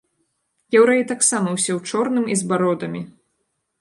Яўрэі таксама ўсе ў чорным і з бародамі!